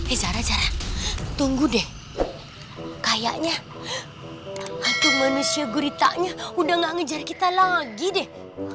eh zara zara tunggu deh kayaknya hantu manusia guritanya udah gak ngejar kita lagi deh